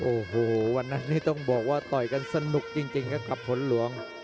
โอ้โหวันนั้นนี่ต้องบอกว่าต่อยกันสนุกจริงครับกับผลหลวง